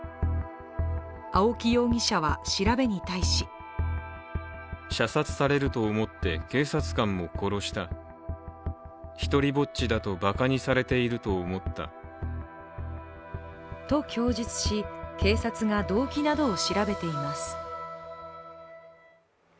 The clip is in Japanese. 青木容疑者は調べに対しと供述し、警察が動機などを調べています。